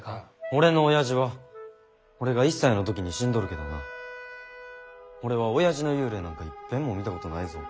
俺のおやじは俺が１歳の時に死んどるけどな俺はおやじの幽霊なんか一遍も見たことないぞ。